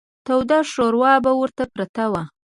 توده شوروا به ورته پرته وه.